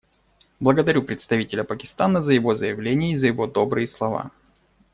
Благодарю представителя Пакистана за его заявление и за его добрые слова.